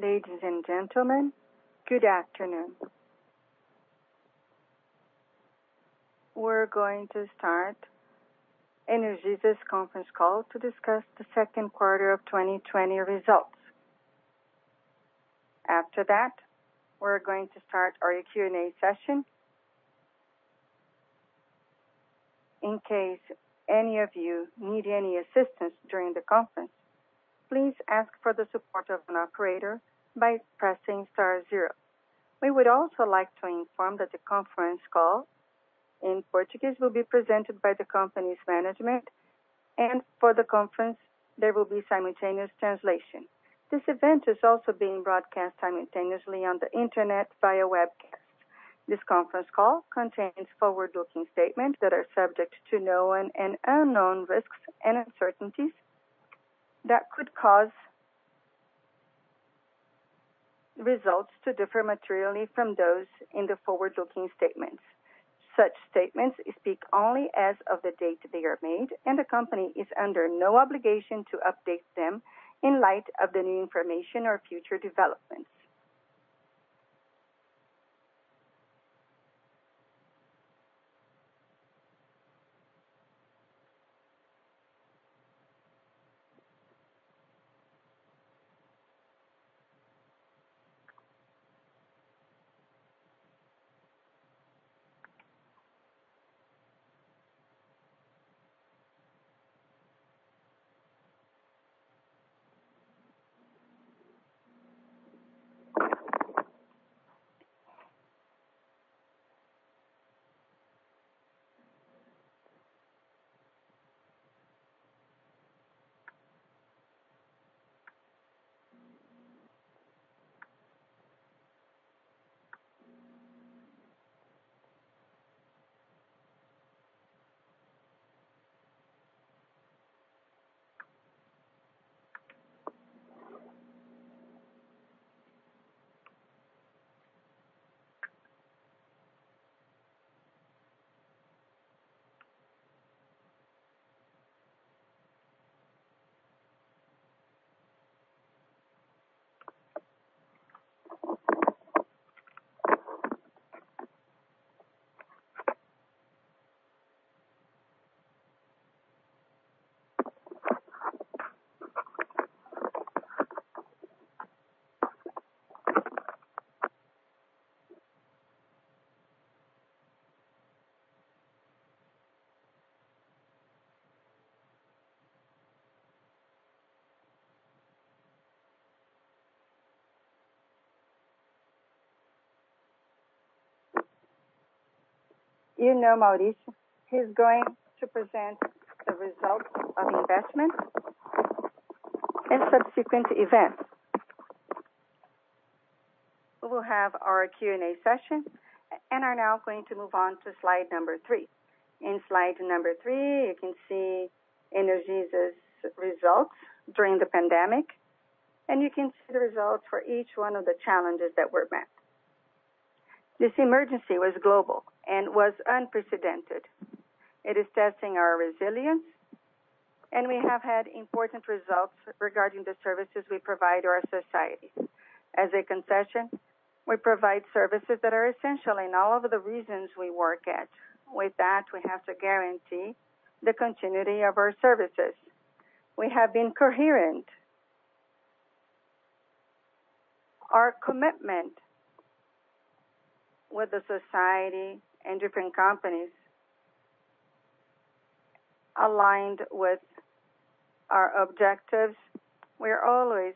Ladies and gentlemen, good afternoon. We're going to start Energisa's conference call to discuss the second quarter of 2020 results. After that, we're going to start our Q&A session. In case any of you need any assistance during the conference, please ask for the support of an operator by pressing star zero. We would also like to inform that the conference call in Portuguese will be presented by the company's management, and for the conference, there will be simultaneous translation. This event is also being broadcast simultaneously on the internet via webcast. This conference call contains forward-looking statements that are subject to known and unknown risks and uncertainties that could cause results to differ materially from those in the forward-looking statements. Such statements speak only as of the date they are made, the company is under no obligation to update them in light of the new information or future developments. You know Maurício. He's going to present the results of investment and subsequent events. We will have our Q&A session, are now going to move on to slide number three. In slide number three, you can see Energisa's results during the pandemic, you can see the results for each one of the challenges that were met. This emergency was global and was unprecedented. It is testing our resilience, we have had important results regarding the services we provide our society. As a concession, we provide services that are essential in all of the regions we work at. With that, we have to guarantee the continuity of our services. We have been coherent. Our commitment to society and different companies aligned with our objectives. We're always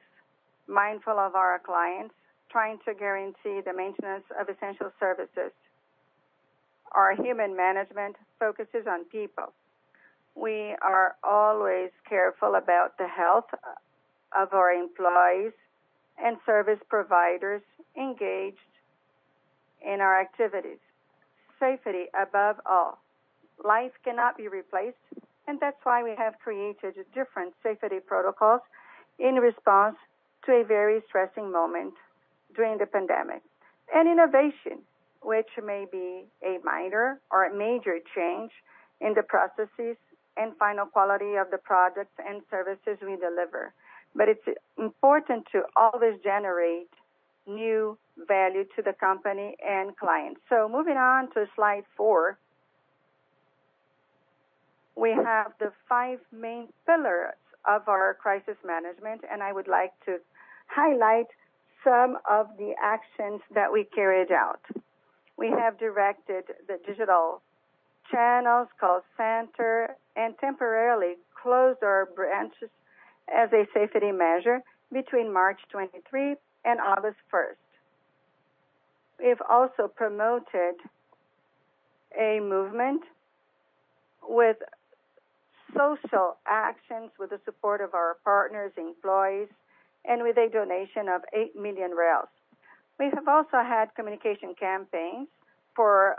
mindful of our clients, trying to guarantee the maintenance of essential services. Our human management focuses on people. We are always careful about the health of our employees and service providers engaged in our activities. Safety above all. Life cannot be replaced, that's why we have created different safety protocols in response to a very stressing moment during the pandemic. Innovation, which may be a minor or a major change in the processes and final quality of the products and services we deliver. It's important to always generate new value to the company and clients. Moving on to slide four, we have the five main pillars of our crisis management, I would like to highlight some of the actions that we carried out. We have directed the digital channels call center and temporarily closed our branches as a safety measure between March 23 and August 1st. We've also promoted a movement with social actions, with the support of our partners, employees, and with a donation of 8 million. We have also had communication campaigns for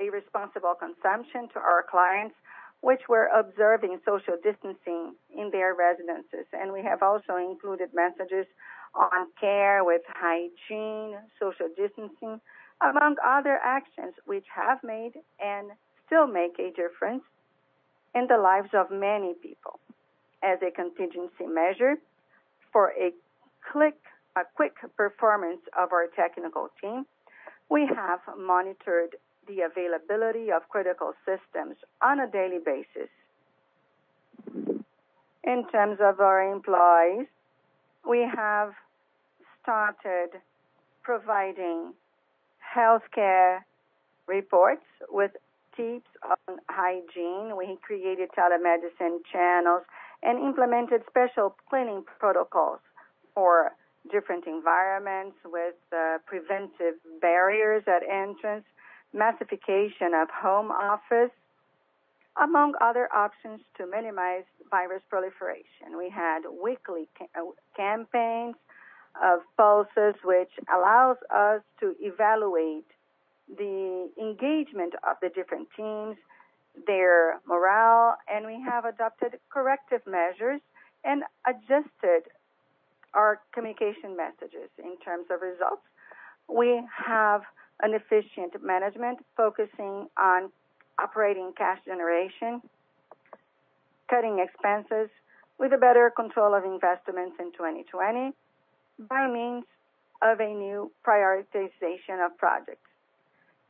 a responsible consumption to our clients, which were observing social distancing in their residences. We have also included messages on care with hygiene, social distancing, among other actions which have made and still make a difference in the lives of many people. As a contingency measure for a quick performance of our technical team, we have monitored the availability of critical systems on a daily basis. In terms of our employees, we have started providing healthcare reports with tips on hygiene. We created telemedicine channels and implemented special cleaning protocols for different environments with preventive barriers at entrance, massification of home office, among other options to minimize virus proliferation. We had weekly campaigns of pulses, which allows us to evaluate the engagement of the different teams, their morale, and we have adopted corrective measures and adjusted our communication messages. In terms of results, we have an efficient management focusing on operating cash generation, cutting expenses with a better control of investments in 2020, by means of a new prioritization of projects.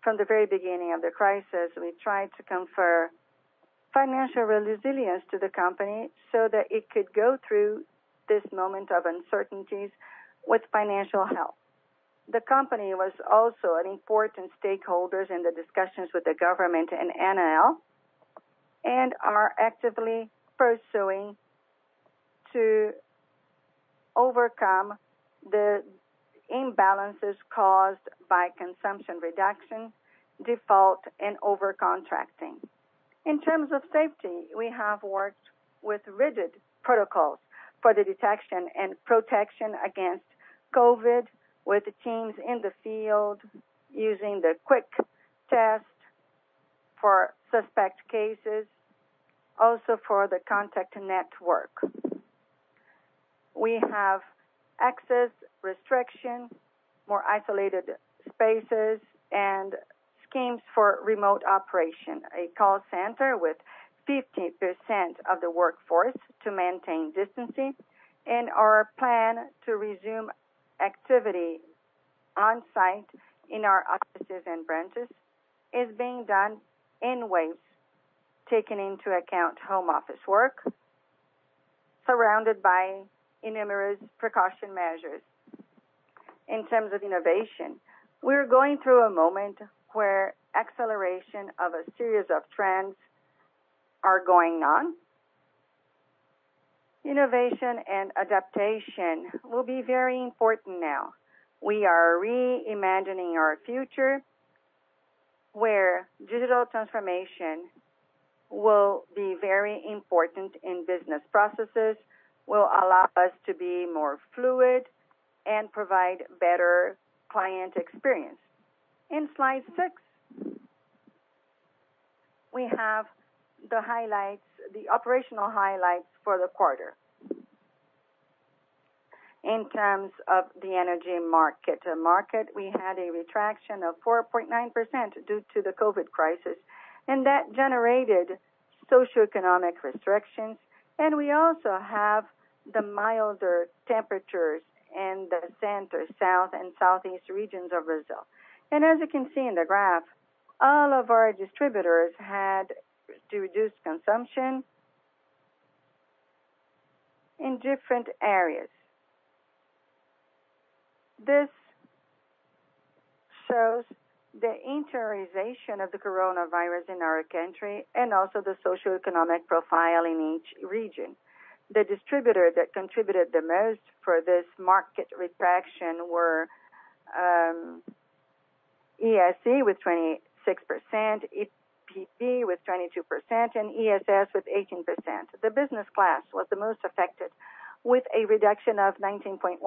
From the very beginning of the crisis, we tried to confer financial resilience to the company so that it could go through this moment of uncertainties with financial health. The company was also an important stakeholder in the discussions with the government and ANEEL, and are actively pursuing to overcome the imbalances caused by consumption reduction, default, and over-contracting. In terms of safety, we have worked with rigid protocols for the detection and protection against COVID with teams in the field using the quick test for suspect cases, also for the contact network. We have access restriction, more isolated spaces, and schemes for remote operation, a call center with 50% of the workforce to maintain distancing, and our plan to resume activity on-site in our offices and branches is being done in waves, taking into account home office work, surrounded by numerous precaution measures. In terms of innovation, we are going through a moment where acceleration of a series of trends are going on. Innovation and adaptation will be very important now. We are re-imagining our future, where digital transformation will be very important in business processes, will allow us to be more fluid, and provide better client experience. In slide six, we have the operational highlights for the quarter. In terms of the energy market. The market, we had a retraction of 4.9% due to the COVID crisis, that generated socioeconomic restrictions, and we also have the milder temperatures in the Center, South, and Southeast regions of Brazil. As you can see in the graph, all of our distributors had to reduce consumption in different areas. This shows the interiorization of the coronavirus in our country and also the socioeconomic profile in each region. The distributor that contributed the most for this market retraction were ESE with 26%, EPB with 22%, and ESS with 18%. The business class was the most affected with a reduction of 19.1%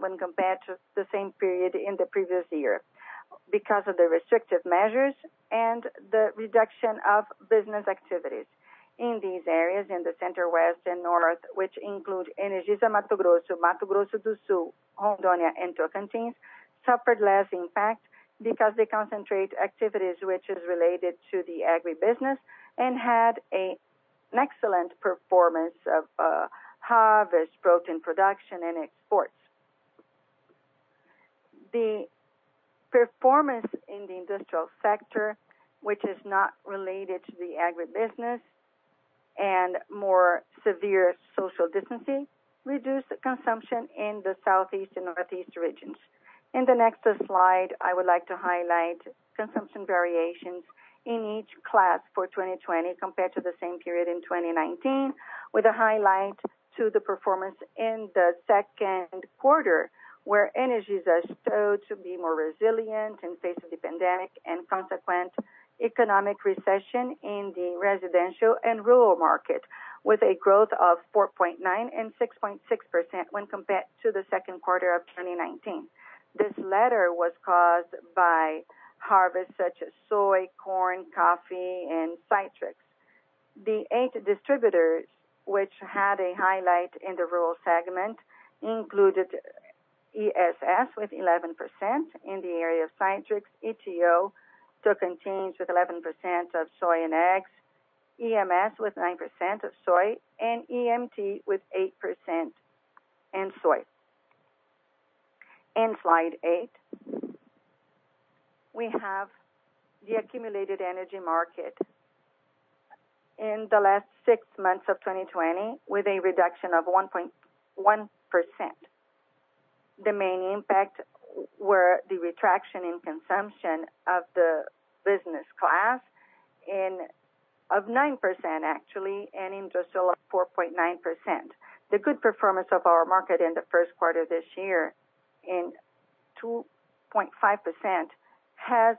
when compared to the same period in the previous year because of the restrictive measures and the reduction of business activities. In these areas, in the Center, West, and North, which include Energisa Mato Grosso, Mato Grosso do Sul, Rondônia, and Tocantins, suffered less impact because they concentrate activities which is related to the agribusiness and had an excellent performance of harvest, protein production, and exports. The performance in the industrial sector, which is not related to the agribusiness and more severe social distancing, reduced consumption in the Southeast and Northeast regions. In the next slide, I would like to highlight consumption variations in each class for 2020 compared to the same period in 2019, with a highlight to the performance in the second quarter, where Energisa showed to be more resilient in face of the pandemic and consequent economic recession in the residential and rural market, with a growth of 4.9% and 6.6% when compared to the second quarter of 2019. This latter was caused by harvest such as soy, corn, coffee, and citrus. The eight distributors which had a highlight in the rural segment included ESS with 11% in the area of citricultura. ETo Tocantins with 11% of soy and eggs, Energisa Mato Grosso do Sul with 9% of soy, and Energisa Mato Grosso with 8% in soy. In slide eight, we have the accumulated energy market in the last six months of 2020, with a reduction of 1.1%. The main impact were the retraction in consumption of the business class of 9%, actually, and industrial of 4.9%. The good performance of our market in the first quarter of this year in 2.5% has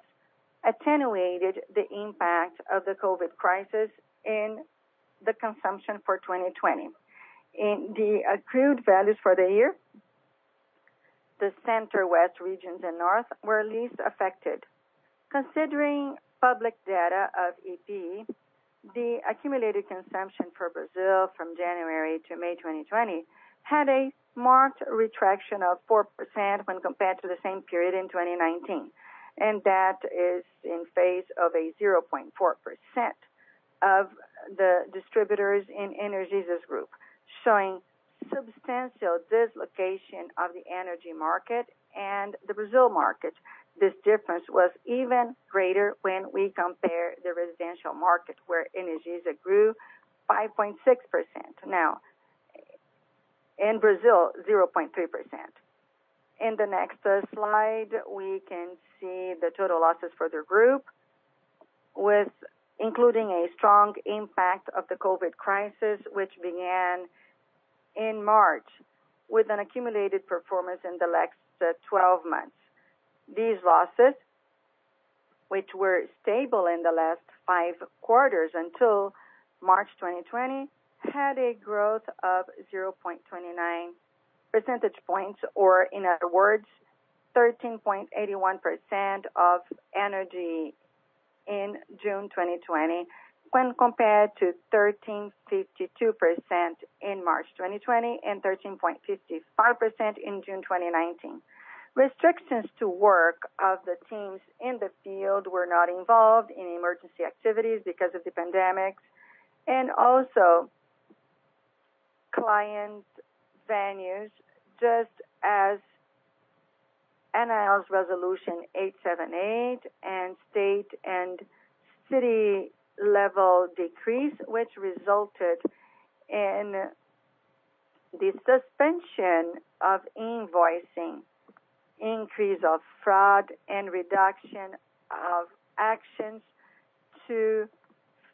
attenuated the impact of the COVID crisis in the consumption for 2020. In the accrued values for the year, the Center-West regions and North were least affected. Considering public data of EPE, the accumulated consumption for Brazil from January to May 2020 had a marked retraction of 4% when compared to the same period in 2019. That is in phase of a 0.4% of the distributors in Energisa's group, showing substantial dislocation of the energy market and the Brazil market. This difference was even greater when we compare the residential market where Energisa grew 5.6%. Now, in Brazil, 0.3%. In the next slide, we can see the total losses for the group, including a strong impact of the COVID crisis, which began in March, with an accumulated performance in the last 12 months. These losses, which were stable in the last five quarters until March 2020, had a growth of 0.29 percentage points, or in other words, 13.81% of energy in June 2020 when compared to 13.52% in March 2020 and 13.55% in June 2019. Restrictions to work of the teams in the field were not involved in emergency activities because of the pandemic, and also client venues, just as ANEEL's Resolution 878 and state and city level decrees, which resulted in the suspension of invoicing, increase of fraud, and reduction of actions to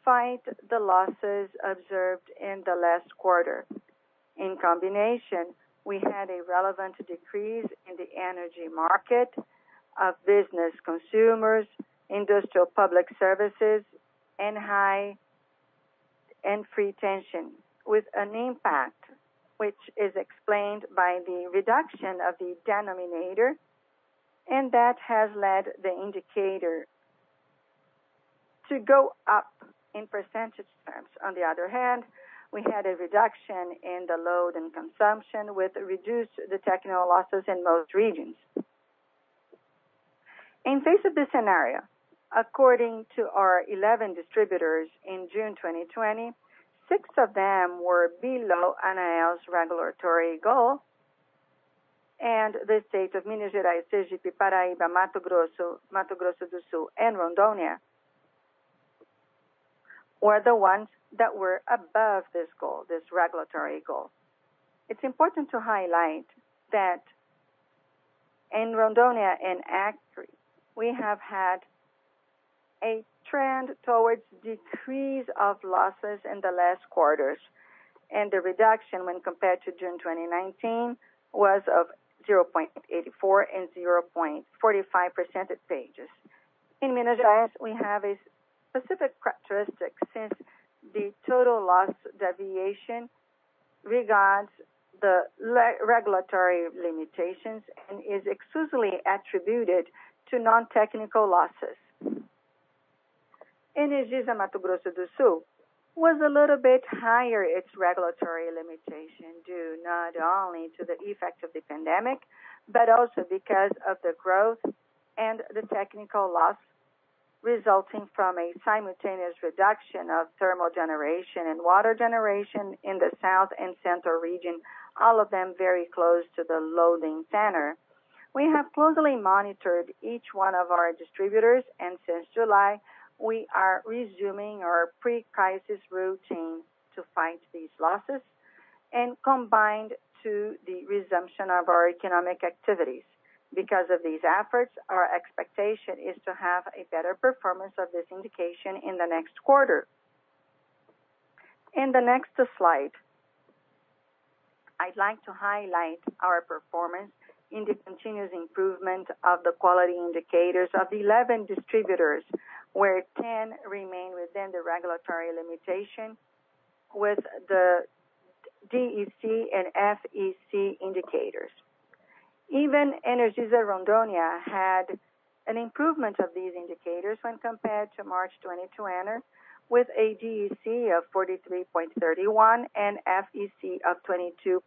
fight the losses observed in the last quarter. In combination, we had a relevant decrease in the energy market of business consumers, industrial public services, and high and free tension, with an impact, which is explained by the reduction of the denominator, and that has led the indicator to go up in percentage terms. On the other hand, we had a reduction in the load and consumption, with reduced technical losses in most regions. In face of the scenario, according to our 11 distributors in June 2020, six of them were below ANEEL's regulatory goal, and the state of Minas Gerais, Sergipe, Paraíba, Mato Grosso, Mato Grosso do Sul, and Rondônia were the ones that were above this goal, this regulatory goal. It's important to highlight that in Rondônia, in Acre, we have had a trend towards decrease of losses in the last quarters, and the reduction when compared to June 2019 was of 0.84% and 0.45%. In Minas Gerais, we have a specific characteristic since the total loss deviation regards the regulatory limitations and is exclusively attributed to non-technical losses. Energisa Mato Grosso do Sul was a little bit higher its regulatory limitation, due not only to the effect of the pandemic, but also because of the growth and the technical loss resulting from a simultaneous reduction of thermal generation and water generation in the South and Central region, all of them very close to the loading center. We have closely monitored each one of our distributors. Since July, we are resuming our pre-crisis routine to fight these losses and combined to the resumption of our economic activities. Because of these efforts, our expectation is to have a better performance of this indication in the next quarter. In the next slide, I'd like to highlight our performance in the continuous improvement of the quality indicators of 11 distributors, where 10 remain within the regulatory limitation with the DEC and FEC indicators. Even Energisa Rondônia had an improvement of these indicators when compared to March 2020, with a DEC of 43.31 and FEC of 22.29.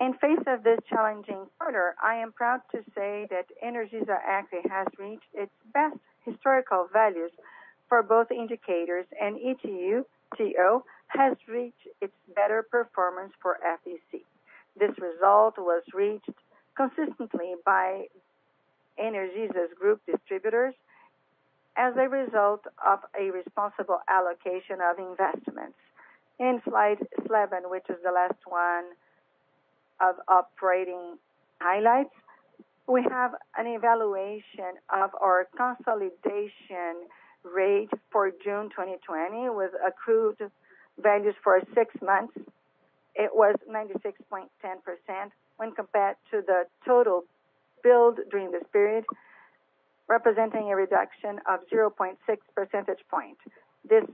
In face of this challenging quarter, I am proud to say that Energisa actually has reached its best historical values for both indicators, and ETO has reached its better performance for FEC. This result was reached consistently by Energisa's group distributors as a result of a responsible allocation of investments. In slide 11, which is the last one of operating highlights, we have an evaluation of our consolidation rate for June 2020 with accrued values for six months. It was 96.10% when compared to the total billed during this period, representing a reduction of 0.6 percentage point. This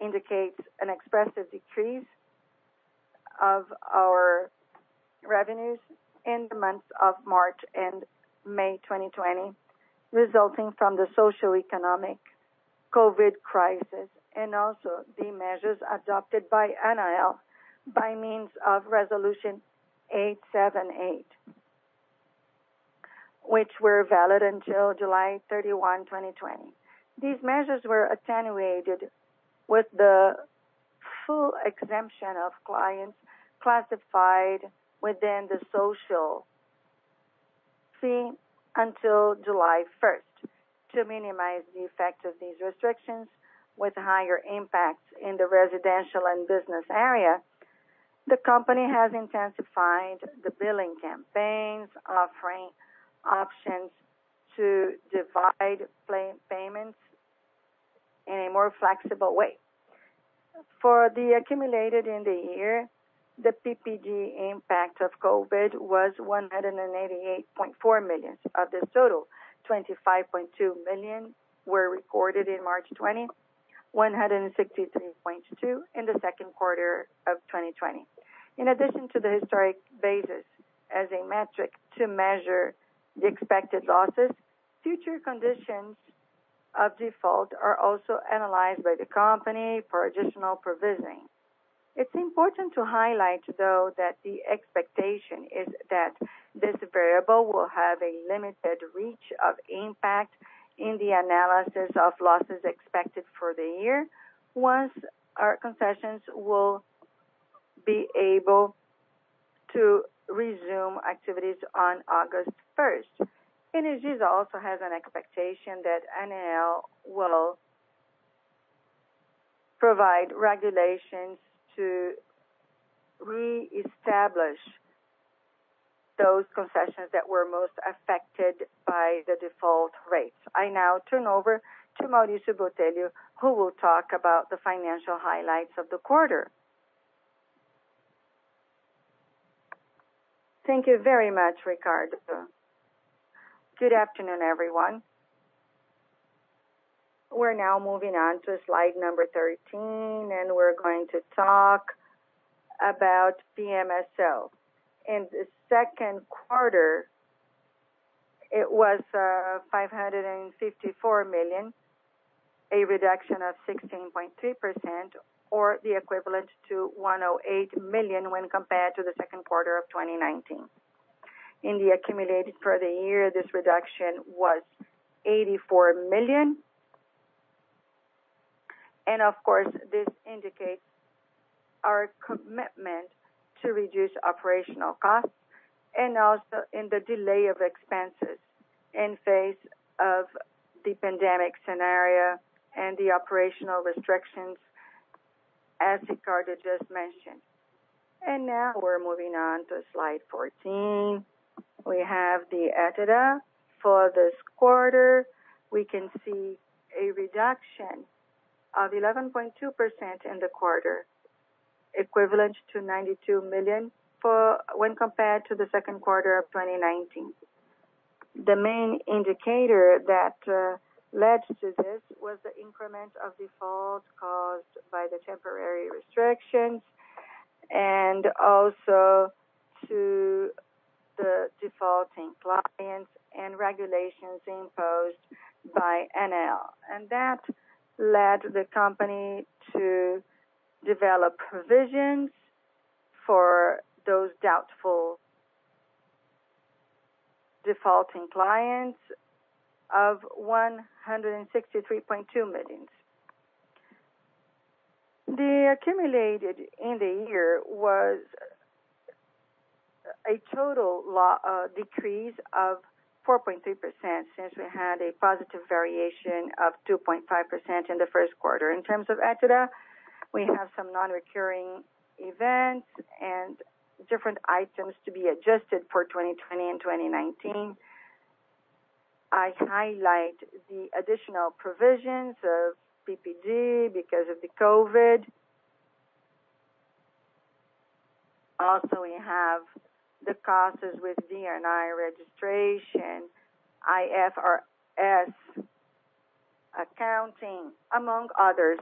indicates an expressive decrease of our revenues in the months of March and May 2020, resulting from the socioeconomic COVID crisis, and also the measures adopted by ANEEL by means of Resolution 878, which were valid until July 31, 2020. These measures were attenuated with the full exemption of clients classified within the social tariff until July 1st. To minimize the effect of these restrictions with higher impacts in the residential and business area, the company has intensified the billing campaigns, offering options to divide payments in a more flexible way. For the accumulated in the year, the PPD impact of COVID was 188.4 million. Of this total, 25.2 million were recorded in March 2020, 163.2 million in the second quarter of 2020. In addition to the historic basis as a metric to measure the expected losses, future conditions of default are also analyzed by the company for additional provisioning. It's important to highlight, though, that the expectation is that this variable will have a limited reach of impact in the analysis of losses expected for the year once our concessions will be able to resume activities on August 1st. Energisa also has an expectation that ANEEL will provide regulations to reestablish those concessions that were most affected by the default rates. I now turn over to Maurício Botelho, who will talk about the financial highlights of the quarter. Thank you very much, Ricardo. Good afternoon, everyone. We're now moving on to slide number 13, and we're going to talk about PMSO. In the second quarter, it was 554 million, a reduction of 16.3%, or the equivalent to 108 million when compared to the second quarter of 2019. In the accumulated for the year, this reduction was 84 million. Of course, this indicates our commitment to reduce operational costs and also in the delay of expenses in face of the pandemic scenario and the operational restrictions, as Ricardo just mentioned. Now we're moving on to slide 14. We have the EBITDA. For this quarter, we can see a reduction of 11.2% in the quarter, equivalent to 92 million when compared to the second quarter of 2019. The main indicator that led to this was the increment of default caused by the temporary restrictions and also to the defaulting clients and regulations imposed by ANEEL. That led the company to develop provisions for those doubtful defaulting clients of BRL 163.2 million. The accumulated in the year was a total decrease of 4.3% since we had a positive variation of 2.5% in the first quarter. In terms of EBITDA, we have some non-recurring events and different items to be adjusted for 2020 and 2019. I highlight the additional provisions of PPD because of the COVID. Also, we have the costs with D&A registration, IFRS accounting, among others.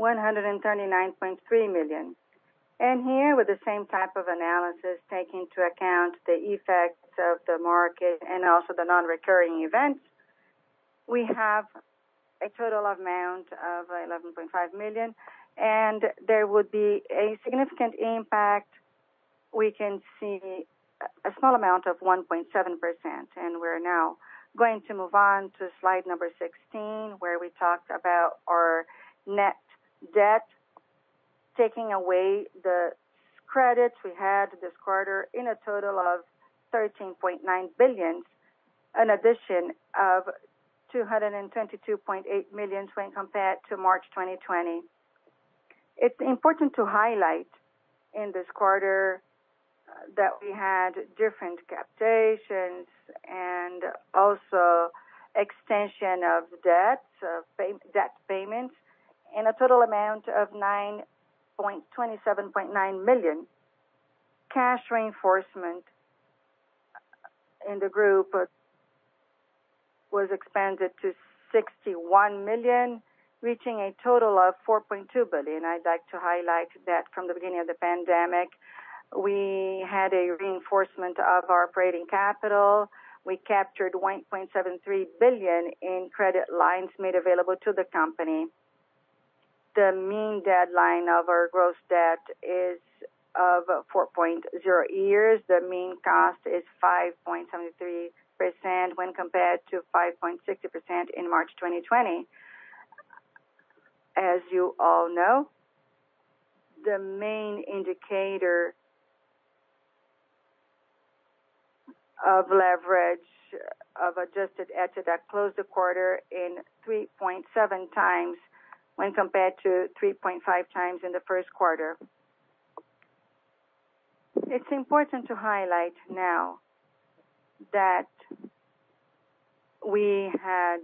139.3 million. Here, with the same type of analysis, taking into account the effects of the market and also the non-recurring events, we have a total amount of 11.5 million, and there would be a significant impact. We can see a small amount of 1.7%. We're now going to move on to slide number 16, where we talked about our net debt, taking away the credits we had this quarter in a total of 13.9 billion, an addition of 222.8 million when compared to March 2020. It's important to highlight in this quarter that we had different captations and also extension of debt payments in a total amount of 27.9 million. Cash reinforcement in the group was expanded to 61 million, reaching a total of 4.2 billion. I'd like to highlight that from the beginning of the pandemic, we had a reinforcement of our operating capital. We captured 1.73 billion in credit lines made available to the company. The mean deadline of our gross debt is of 4.0 years. The mean cost is 5.73% when compared to 5.60% in March 2020. As you all know, the main indicator of leverage of adjusted EBITDA closed the quarter in 3.7x when compared to 3.5x in the first quarter. It's important to highlight now that we had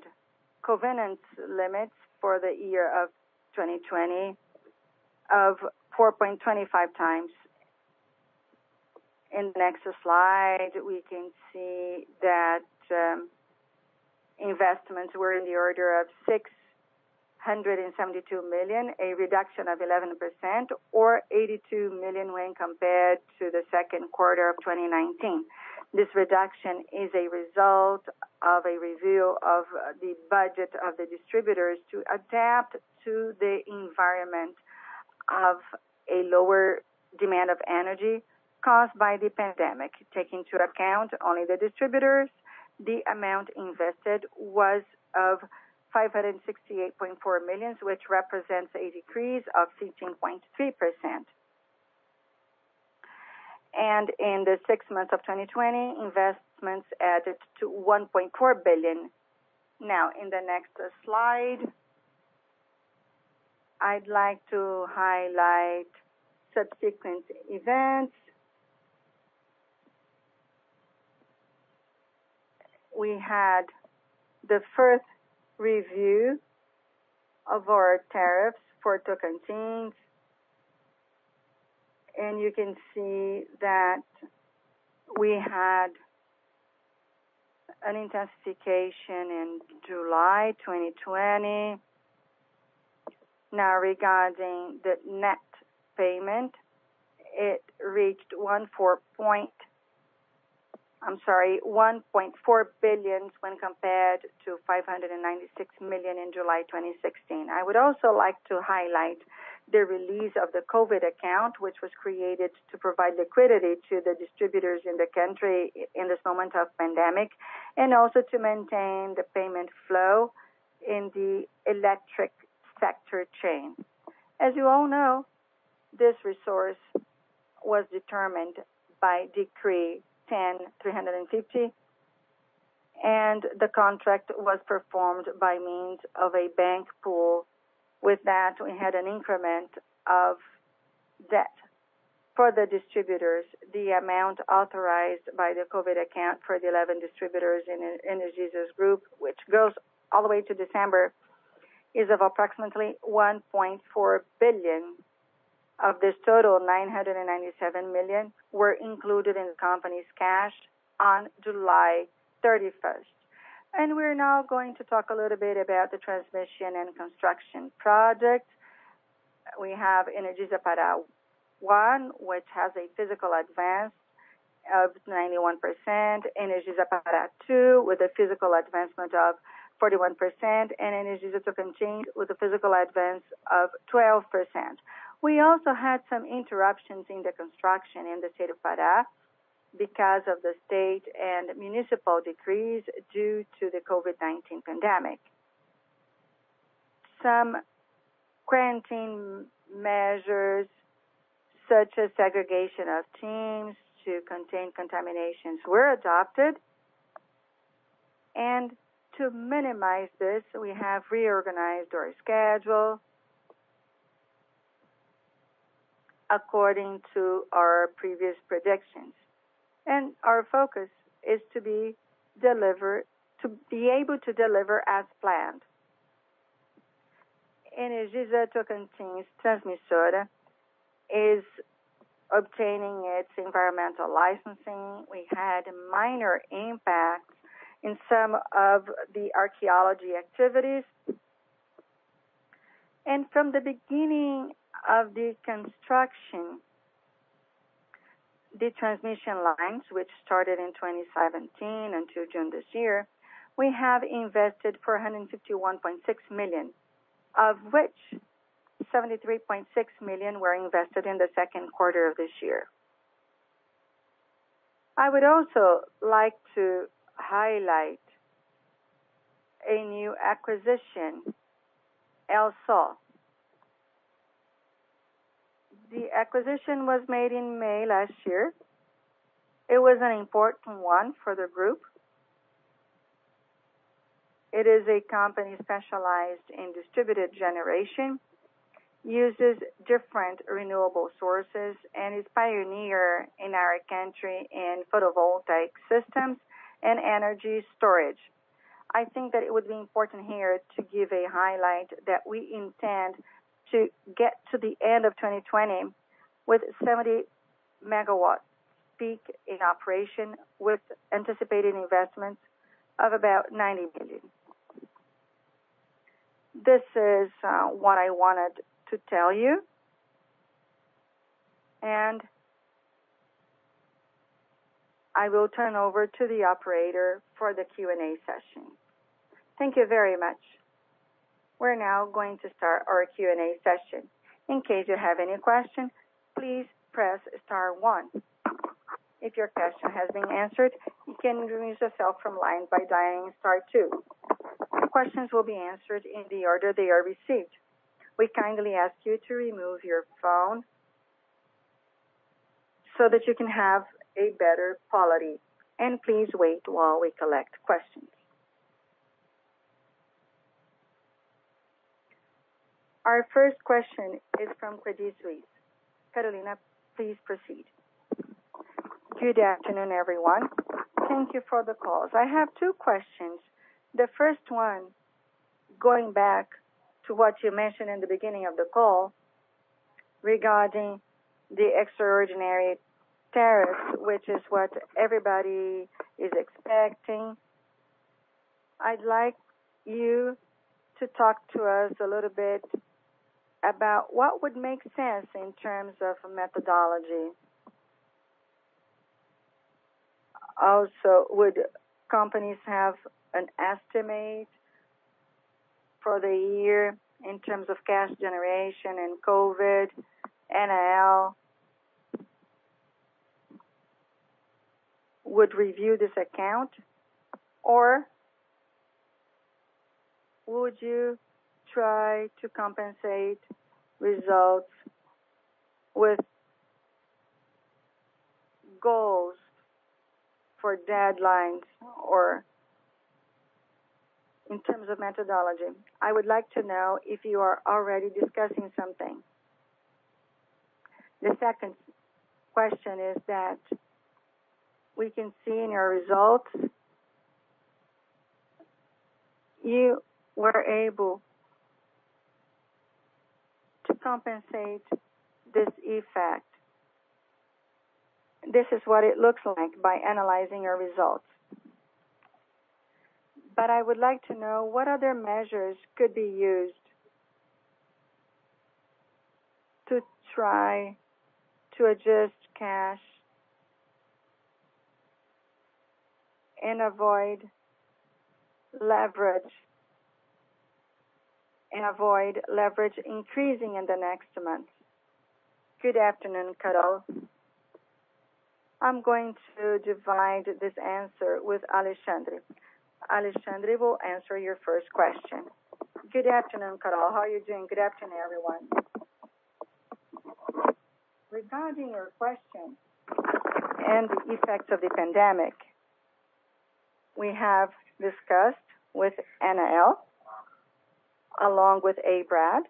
covenant limits for the year of 2020 of 4.25x. In the next slide, we can see that investments were in the order of 672 million, a reduction of 11%, or 82 million when compared to the second quarter of 2019. This reduction is a result of a review of the budget of the distributors to adapt to the environment of a lower demand of energy caused by the pandemic. Taking into account only the distributors, the amount invested was of 568.4 million, which represents a decrease of 15.3%. In the six months of 2020, investments added to 1.4 billion. In the next slide, I'd like to highlight subsequent events. We had the first review of our tariffs for Tocantins, and you can see that we had an intensification in July 2020. Regarding the net payment, it reached 1.4 billion when compared to 596 million in July 2016. I would also like to highlight the release of the COVID accounts, which was created to provide liquidity to the distributors in the country in this moment of pandemic, and also to maintain the payment flow in the electric sector chain. As you all know, this resource was determined by Decree 10.350, and the contract was performed by means of a bank pool. With that, we had an increment of debt for the distributors. The amount authorized by the COVID accounts for the 11 distributors in Energisa Group, which goes all the way to December, is of approximately 1.4 billion. Of this total, 997 million were included in the company's cash on July 31st. We're now going to talk a little bit about the transmission and construction project. We have Energisa Pará I, which has a physical advance of 91%, Energisa Pará II with a physical advancement of 41%, and Energisa Tocantins with a physical advance of 12%. We also had some interruptions in the construction in the state of Pará because of the state and municipal decrees due to the COVID-19 pandemic. Some quarantine measures, such as segregation of teams to contain contaminations, were adopted. To minimize this, we have reorganized our schedule according to our previous predictions. Our focus is to be able to deliver as planned. Energisa Tocantins Transmissora is obtaining its environmental licensing. We had a minor impact in some of the archaeology activities. From the beginning of the construction, the transmission lines, which started in 2017 until June this year, we have invested 451.6 million, of which 73.6 million were invested in the second quarter of this year. I would also like to highlight a new acquisition, Alsol. The acquisition was made in May last year. It was an important one for the group. It is a company specialized in distributed generation, uses different renewable sources, and is pioneer in our country in photovoltaic systems and energy storage. I think that it would be important here to give a highlight that we intend to get to the end of 2020 with 70 megawatts peak in operation, with anticipated investments of about 90 million. This is what I wanted to tell you. I will turn over to the operator for the Q&A session. Thank you very much. We're now going to start our Q&A session. In case you have any questions, please press star one. If your question has been answered, you can remove yourself from line by dialing star two. Questions will be answered in the order they are received. We kindly ask you to remove your phone so that you can have a better quality, and please wait while we collect questions. Our first question is from Credit Suisse. Carolina, please proceed. Good afternoon, everyone. Thank you for the calls. I have two questions. The first one, going back to what you mentioned in the beginning of the call regarding the extraordinary tariffs, which is what everybody is expecting. I'd like you to talk to us a little bit about what would make sense in terms of methodology. Also, would companies have an estimate for the year in terms of cash generation and COVID, ANEEL? Would review this account, or would you try to compensate results with goals for deadlines or in terms of methodology? I would like to know if you are already discussing something. The second question is that we can see in your results you were able to compensate this effect. This is what it looks like by analyzing your results. I would like to know what other measures could be used to try to adjust cash and avoid leverage increasing in the next months. Good afternoon, Carolina. I'm going to divide this answer with Alexandre. Alexandre will answer your first question. Good afternoon, Carol. How are you doing? Good afternoon, everyone. Regarding your question and the effects of the pandemic, we have discussed with ANEEL, along with ABRADEE,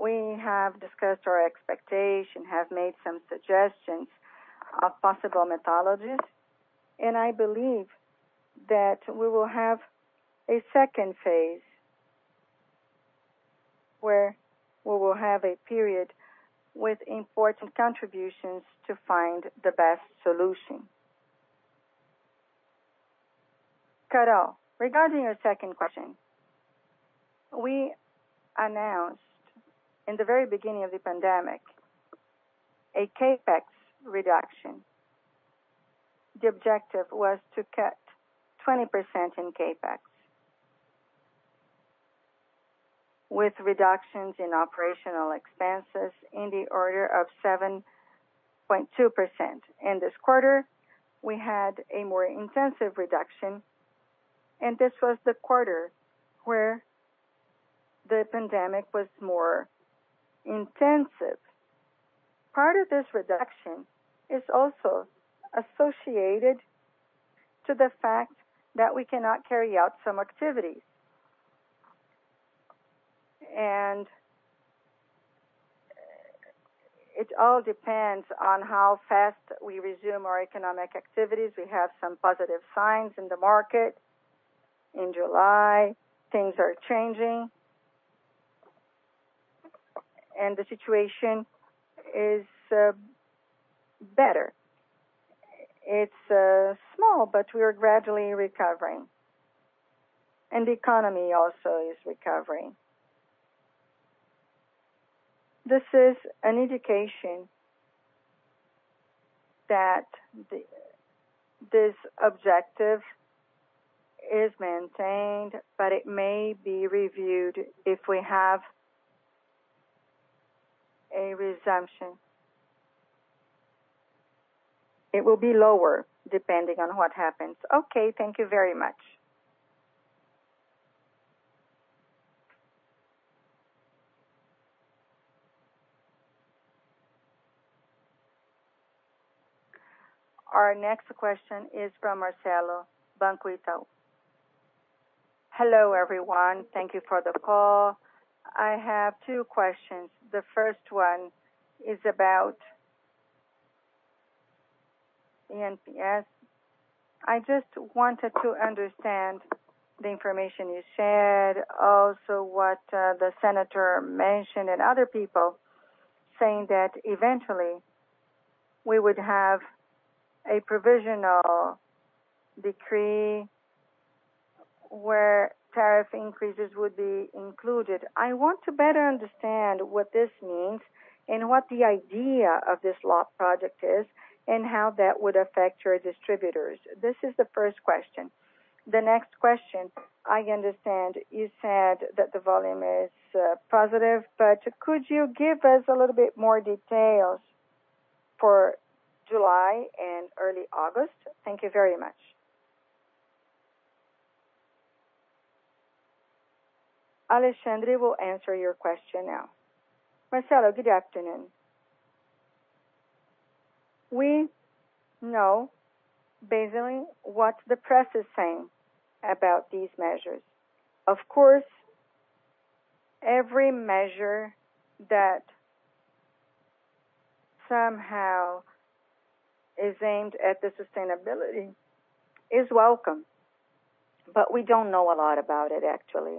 we have discussed our expectation, have made some suggestions of possible methodologies, I believe that we will have a second phase, where we will have a period with important contributions to find the best solution. Carol, regarding your second question. We announced in the very beginning of the pandemic, a CapEx reduction. The objective was to cut 20% in CapEx. With reductions in operational expenses in the order of 7.2%. In this quarter, we had a more intensive reduction, and this was the quarter where the pandemic was more intensive. Part of this reduction is also associated to the fact that we cannot carry out some activities. It all depends on how fast we resume our economic activities. We have some positive signs in the market. In July, things are changing, and the situation is better. It's small, but we are gradually recovering, and the economy also is recovering. This is an indication that this objective is maintained, but it may be reviewed if we have a resumption. It will be lower, depending on what happens. Okay. Thank you very much. Our next question is from Marcelo, Itaú BBA. Hello, everyone. Thank you for the call. I have two questions. The first one is about eNPS. I just wanted to understand the information you shared. Also, what the senator mentioned and other people saying that eventually we would have a provisional decree where tariff increases would be included. I want to better understand what this means and what the idea of this law project is, and how that would affect your distributors. This is the first question. The next question, I understand you said that the volume is positive, but could you give us a little bit more details for July and early August? Thank you very much. Alexandre will answer your question now. Marcelo, good afternoon. We know basically what the press is saying about these measures. Of course, every measure that somehow is aimed at the sustainability is welcome, but we don't know a lot about it actually.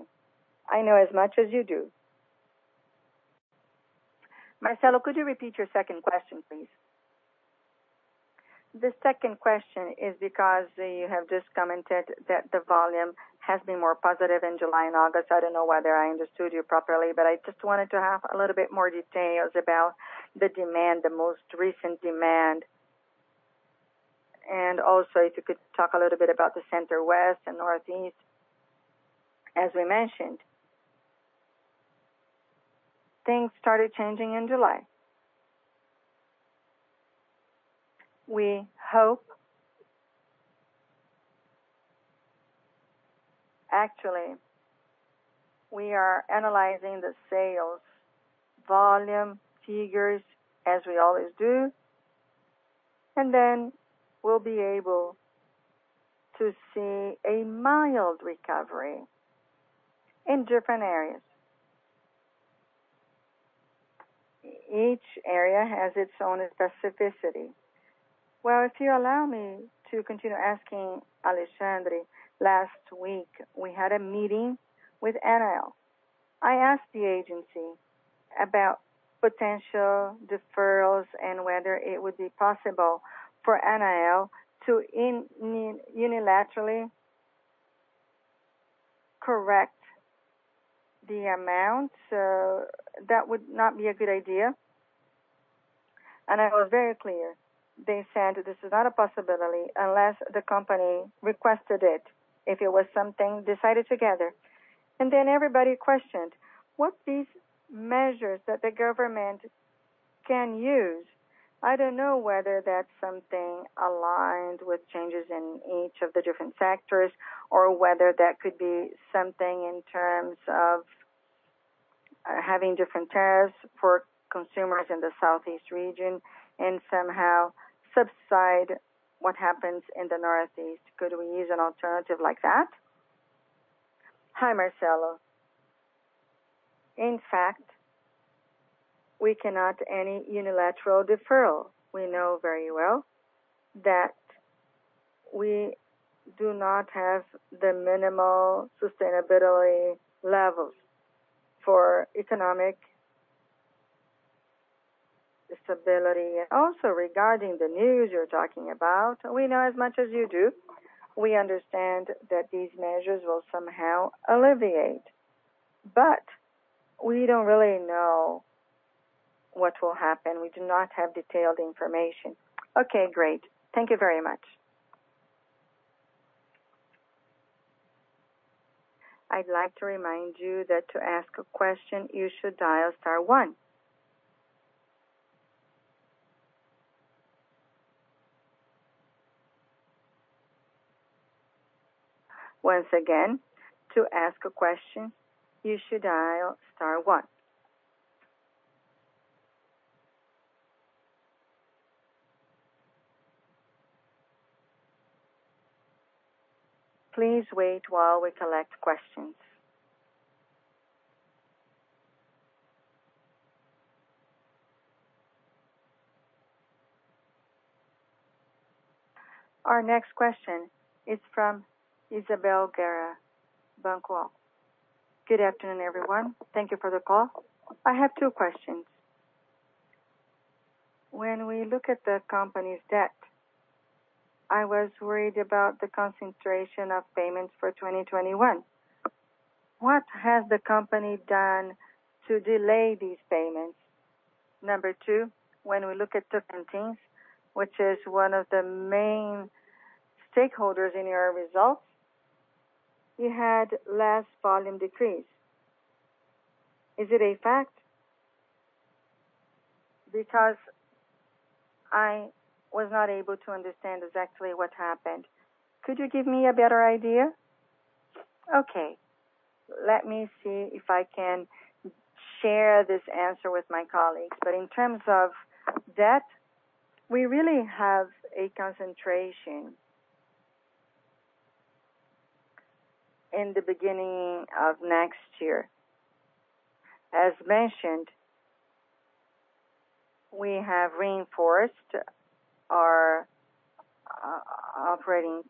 I know as much as you do. Marcelo, could you repeat your second question, please? The second question is because you have just commented that the volume has been more positive in July and August. I don't know whether I understood you properly, but I just wanted to have a little bit more details about the demand, the most recent demand. If you could talk a little bit about the Center West and Northeast. As we mentioned, things started changing in July. Actually, we are analyzing the sales volume figures as we always do, and then we'll be able to see a mild recovery in different areas. Each area has its own specificity. Well, if you allow me to continue asking Alexandre. Last week, we had a meeting with ANEEL. I asked the agency about potential deferrals and whether it would be possible for ANEEL to unilaterally correct the amount. That would not be a good idea. I was very clear. They said this is not a possibility unless the company requested it, if it was something decided together. Everybody questioned what these measures that the government can use. I don't know whether that's something aligned with changes in each of the different sectors, or whether that could be something in terms of having different tariffs for consumers in the southeast region and somehow subside what happens in the northeast. Could we use an alternative like that? Hi, Marcelo. In fact, we cannot any unilateral deferral. We know very well that we do not have the minimal sustainability levels for economic stability. Also regarding the news you're talking about, we know as much as you do. We understand that these measures will somehow alleviate, but we don't really know what will happen. We do not have detailed information. Okay, great. Thank you very much. I'd like to remind you that to ask a question, you should dial star one. Once again, to ask a question, you should dial star one. Please wait while we collect questions. Our next question is from Isabelle Guerra, Banco. Good afternoon, everyone. Thank you for the call. I have two questions. When we look at the company's debt, I was worried about the concentration of payments for 2021. What has the company done to delay these payments? Number two, when we look at Tocantins, which is one of the main stakeholders in your results, you had less volume decrease. Is it a fact? I was not able to understand exactly what happened. Could you give me a better idea? Okay. Let me see if I can share this answer with my colleagues. In terms of debt, we really have a concentration in the beginning of next year. As mentioned, we have reinforced our operating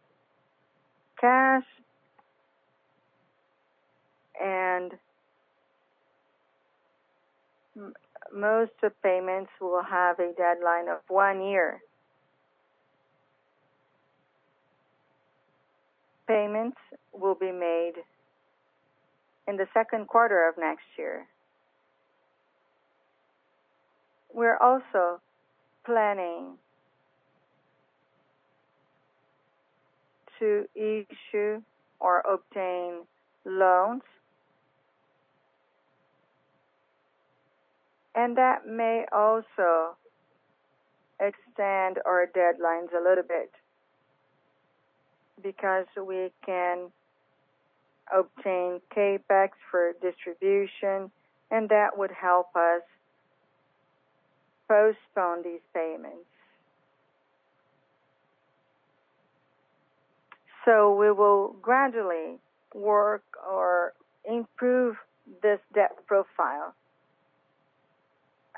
cash. Most of payments will have a deadline of one year. Payments will be made in the second quarter of next year. We're also planning to issue or obtain loans. That may also extend our deadlines a little bit because we can obtain CapEx for distribution, and that would help us postpone these payments. We will gradually work or improve this debt profile.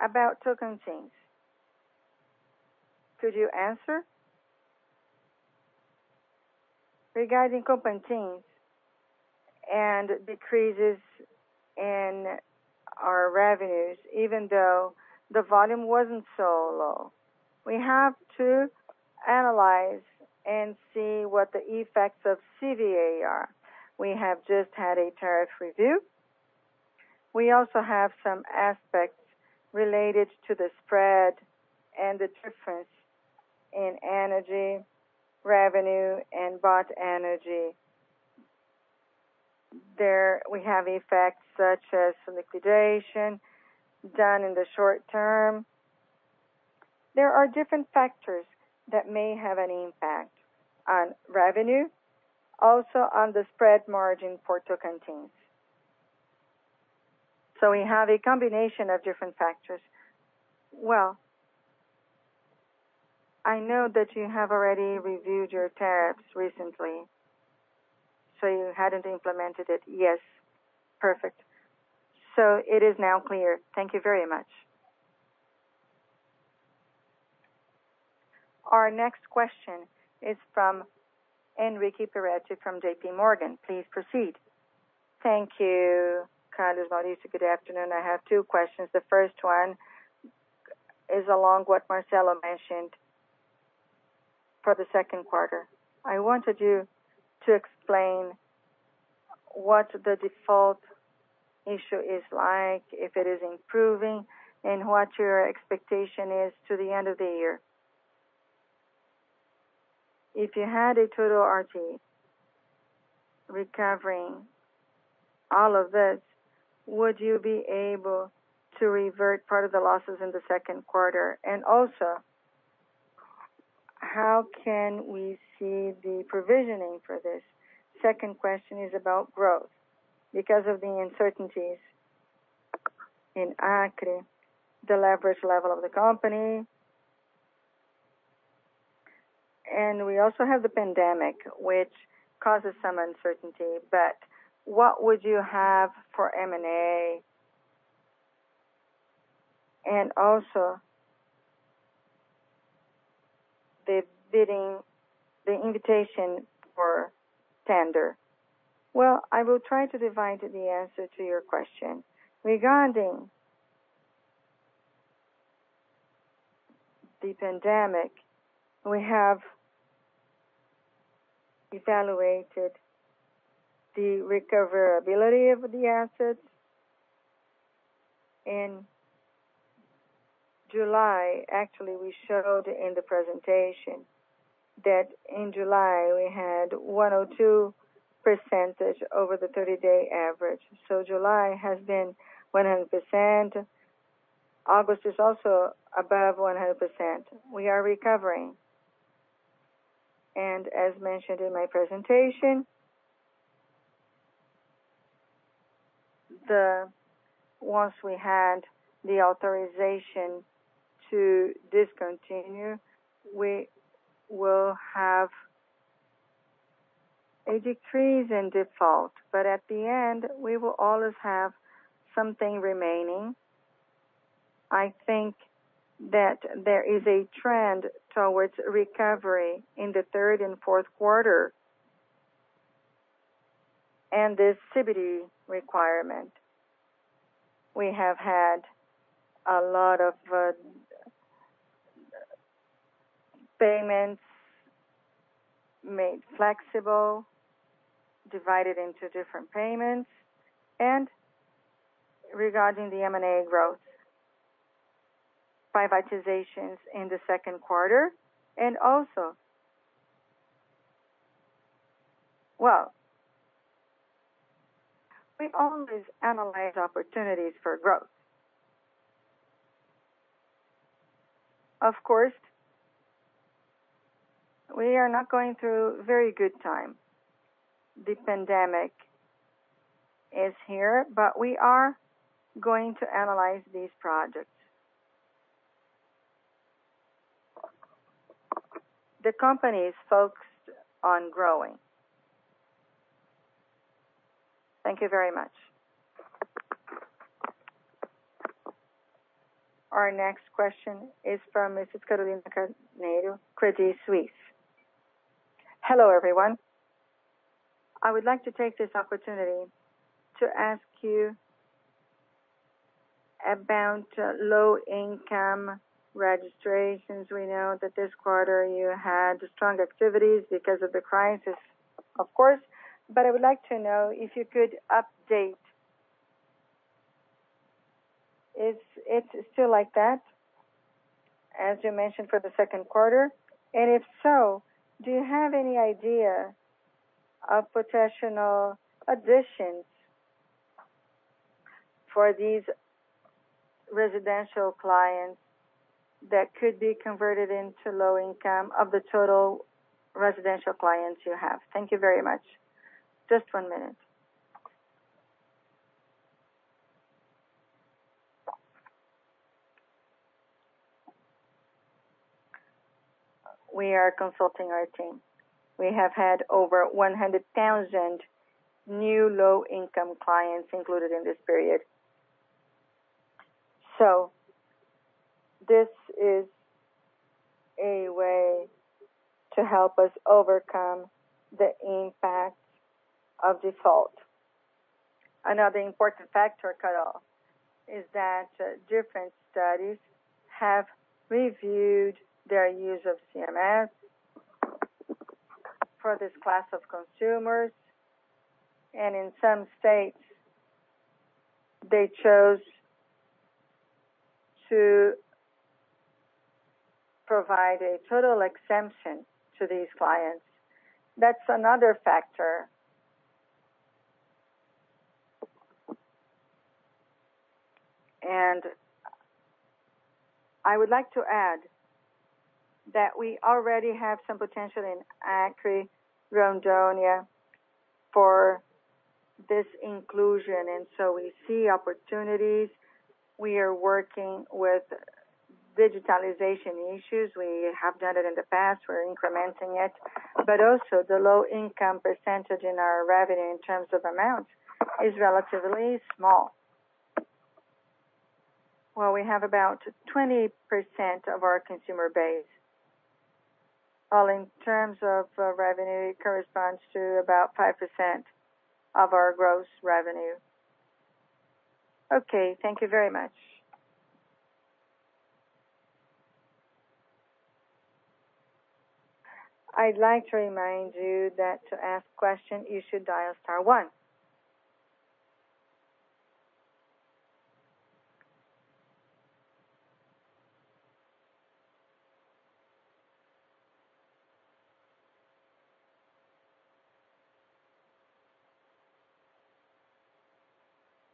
About Tocantins. Could you answer? Regarding Tocantins and decreases in our revenues, even though the volume wasn't so low, we have to analyze and see what the effects of CVA are. We have just had a tariff review. We also have some aspects related to the spread and the difference in energy revenue and bought energy. There we have effects such as liquidation done in the short term. There are different factors that may have an impact on revenue, also on the spread margin for token change. We have a combination of different factors. Well, I know that you have already reviewed your tariffs recently, so you hadn't implemented it yet. Perfect. It is now clear. Thank you very much. Our next question is from Henrique Peretti from JPMorgan. Please proceed. Thank you. Ricardo, Maurício, good afternoon. I have two questions. The first one is along what Marcelo mentioned for the second quarter. I wanted you to explain what the default issue is like, if it is improving, and what your expectation is to the end of the year. If you had a total RTE recovering all of this, would you be able to revert part of the losses in the second quarter? Also, how can we see the provisioning for this? Second question is about growth. Because of the uncertainties in Acre, the leverage level of the company, and we also have the pandemic, which causes some uncertainty. What would you have for M&A, and also the invitation for tender? I will try to divide the answer to your question. Regarding the pandemic, we have evaluated the recoverability of the assets. In July, actually, we showed in the presentation that in July, we had 102% over the 30-day average. July has been 100%. August is also above 100%. We are recovering. As mentioned in my presentation, once we had the authorization to discontinue, we will have a decrease in default. At the end, we will always have something remaining. I think that there is a trend towards recovery in the third and fourth quarter, and the CBT requirement. We have had a lot of payments made flexible, divided into different payments. Regarding the M&A growth, privatizations in the second quarter, and also, well, we always analyze opportunities for growth. Of course, we are not going through very good time. The pandemic is here, but we are going to analyze these projects. The company is focused on growing. Thank you very much. Our next question is from Mrs. Carolina Carneiro, Credit Suisse. Hello, everyone. I would like to take this opportunity to ask you about low-income registrations. We know that this quarter you had strong activities because of the crisis, of course, but I would like to know if you could update. Is it still like that, as you mentioned for the second quarter? If so, do you have any idea of potential additions for these residential clients that could be converted into low-income of the total residential clients you have? Thank you very much. Just one minute. We are consulting our team. We have had over 100,000 new low-income clients included in this period. This is a way to help us overcome the impact of default. Another important factor, Carolina, is that different studies have reviewed their use of ICMS for this class of consumers, and in some states, they chose to provide a total exemption to these clients. That's another factor. I would like to add that we already have some potential in Acre, Rondônia for this inclusion. We see opportunities. We are working with digitalization issues. We have done it in the past. We're incrementing it. Also, the low-income percentage in our revenue in terms of amount is relatively small. Well, we have about 20% of our consumer base. Well, in terms of revenue, it corresponds to about 5% of our gross revenue. Okay. Thank you very much. I'd like to remind you that to ask question, you should dial star one.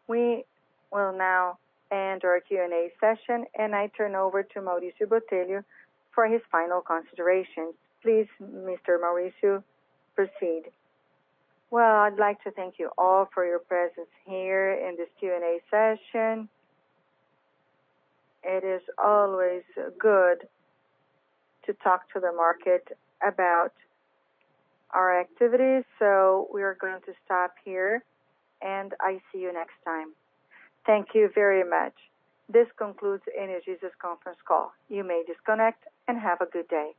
We will now end our Q&A session, and I turn over to Maurício Botelho for his final considerations. Please, Mr. Maurício, proceed. Well, I'd like to thank you all for your presence here in this Q&A session. It is always good to talk to the market about our activities. We are going to stop here, and I see you next time. Thank you very much. This concludes Energisa's conference call. You may disconnect and have a good day.